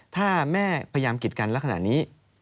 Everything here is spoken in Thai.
ถ้าแม่พยายามกิดกันลักษณะนี้